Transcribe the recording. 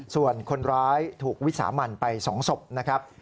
ส่วนคนร้ายถูกวิสามันไป๒ศพนะครับ